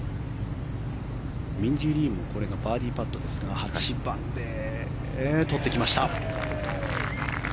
ミンジー・リーもこれがバーディーパットですが８番で取ってきました。